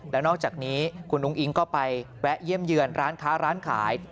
แล้วนอกจากนี้คุณอุ้งอิงก็ไปแวะเยี่ยมเยือนร้านค้าร้านขาย